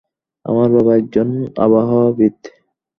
আমার বাবা একজন আবহাওয়াবিদ!